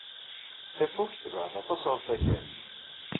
Tafukt tebɛed aṭas ɣef Wakal.